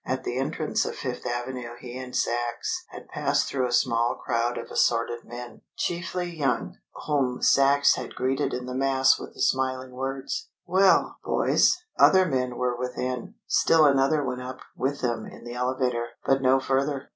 At the entrance on Fifth Avenue he and Sachs had passed through a small crowd of assorted men, chiefly young, whom Sachs had greeted in the mass with the smiling words, "Well, boys!" Other men were within. Still another went up with them in the elevator, but no further.